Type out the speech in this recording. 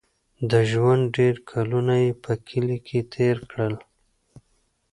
د ژوند ډېر کلونه یې په کلي کې تېر کړل.